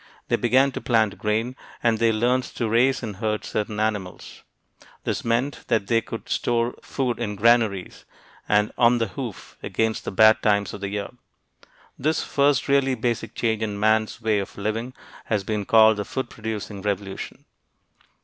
They began to plant grain, and they learned to raise and herd certain animals. This meant that they could store food in granaries and "on the hoof" against the bad times of the year. This first really basic change in man's way of living has been called the "food producing revolution."